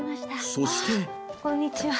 そしてこんにちは。